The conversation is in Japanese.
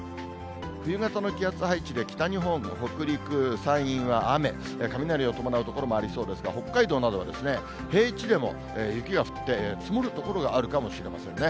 冬型の気圧配置で、北日本、北陸、山陰は雨、雷を伴う所もありそうですが、北海道などは平地でも雪が降って、積もる所があるかもしれませんね。